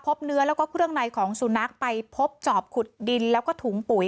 พบเนื้อแล้วก็เครื่องในของสุนัขไปพบจอบขุดดินแล้วก็ถุงปุ๋ย